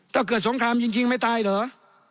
สเกิดสงครามจริงไม่ตายเหรอ